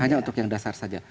hanya untuk yang dasar saja